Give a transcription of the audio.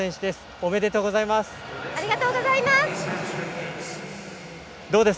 ありがとうございます！